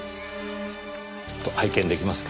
ちょっと拝見出来ますか？